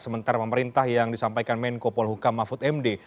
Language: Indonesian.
sementara pemerintah yang disampaikan menko polhukam mahfud md